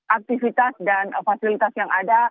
aktivitas dan fasilitas yang ada